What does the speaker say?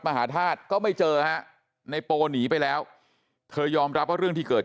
มหาธาตุก็ไม่เจอฮะในโปหนีไปแล้วเธอยอมรับว่าเรื่องที่เกิด